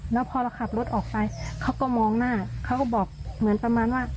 แล้วพอเราขับรถออกไปเขาก็มองหน้าเขาก็บอกเหมือนประมาณว่า